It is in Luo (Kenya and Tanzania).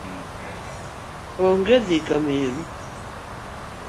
Onge dhi kaneru